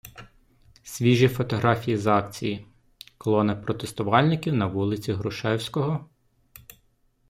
Свіжі фотографії з акції: Колона протестувальників на вулиці Грушевського....